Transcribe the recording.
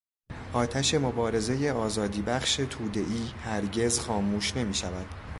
آتش مبارزهٔ آزادیبخش توده ای هرگز خاموش نمیشود.